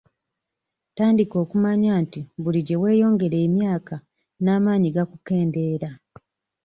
Tandika okumanya nti buli gye weeyongera emyaka n'amaanyi gakukendeera.